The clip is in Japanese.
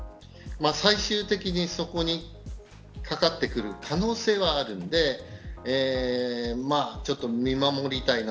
最終的にそこにかかってくる可能性はあるのでちょっと